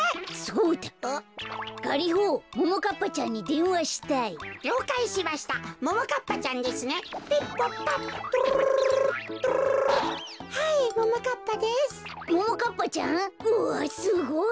うわっすごい！